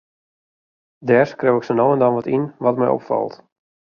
Dêr skriuw ik sa no en dan wat yn, wat my opfalt.